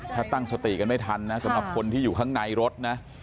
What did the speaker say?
ถ้าตั้งสติกันไม่ทันนะสำหรับคนที่อยู่ข้างในรถนะ